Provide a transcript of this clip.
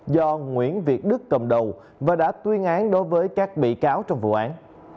do nguyễn việt đức cầm đầu và đã tuyên án đối với các bị cáo trong vụ án